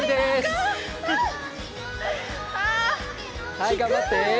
はい、頑張って。